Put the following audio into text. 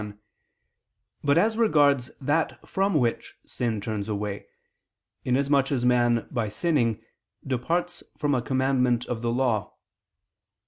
1), but as regards that from which sin turns away, in as much as man, by sinning, departs from a commandment of the law.